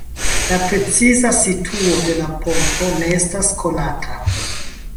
La preciza situo de la ponto ne estas konata.